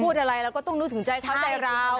พูดอะไรเราก็ต้องนึกถึงใจเขาใจเรา